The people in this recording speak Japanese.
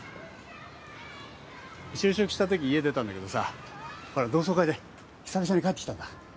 就職した時家を出たんだけどさほら同窓会で久々に帰ってきたんだ。